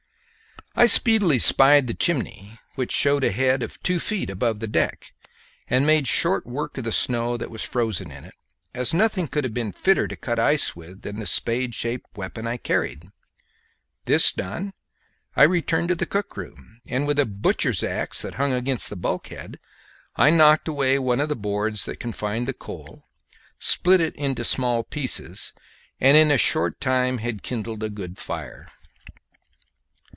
I speedily spied the chimney, which showed a head of two feet above the deck, and made short work of the snow that was frozen in it, as nothing could have been fitter to cut ice with than the spade shaped weapon I carried. This done, I returned to the cook room, and with a butcher's axe that hung against the bulkhead I knocked away one of the boards that confined the coal, split it into small pieces, and in a short time had kindled a good fire.